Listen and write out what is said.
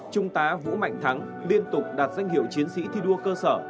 trung tá vũ mạnh thắng liên tục đạt danh hiệu chiến sĩ thi đua cơ sở